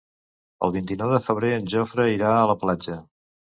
El vint-i-nou de febrer en Jofre irà a la platja.